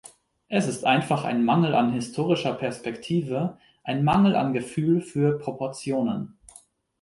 Es ist einfach ein Mangel an historischer Perspektive, ein Mangel an Gefühl für Proportionen.